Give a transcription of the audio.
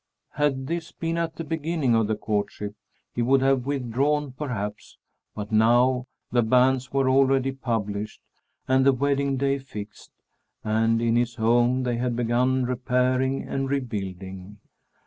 Had this been at the beginning of the courtship, he would have withdrawn, perhaps, but now the banns were already published and the wedding day fixed, and in his home they had begun repairing and rebuilding.